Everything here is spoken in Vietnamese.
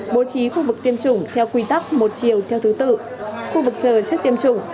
bố trí khu vực tiêm chủng theo quy tắc một chiều theo thứ tự khu vực chờ trước tiêm chủng